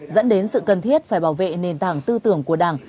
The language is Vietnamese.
dẫn đến sự cần thiết phải bảo vệ nền tảng tư tưởng của đảng